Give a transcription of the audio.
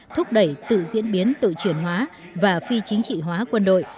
thúc đẩy tự diễn biến tự chuyển hóa và phi chính trị hóa quân đội